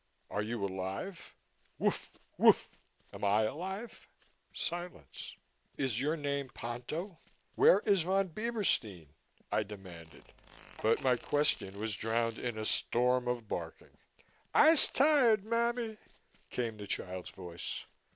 "Are you alive?" "Woof! Woof!" "Am I alive?" Silence. "Is your name Ponto?" I ventured again. "Where is Von Bieberstein?" I demanded but my question was drowned in a storm of barking. "I's tired, mammy," came the child's voice.